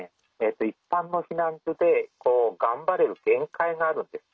一般の避難所で頑張れる限界があるんです。